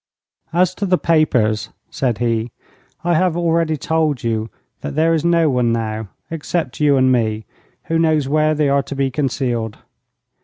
'As to the papers,' said he, 'I have already told you that there is no one now, except you and me, who knows where they are to be concealed.